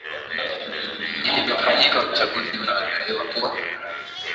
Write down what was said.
ilivyofanyika uchaguzi unaodaiwa kuwa